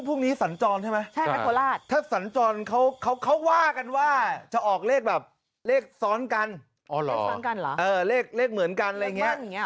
พรุ่งนี้สัญจรใช่ไหมถ้าสัญจรเขาว่ากันว่าจะออกเลขแบบเลขซ้อนกันเลขเหมือนกันอะไรอย่างเงี้ย